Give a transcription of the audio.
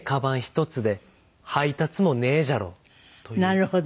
なるほど。